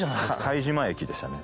拝島駅でしたね